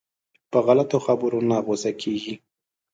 په غلطو خبرو نه غوسه کېږي.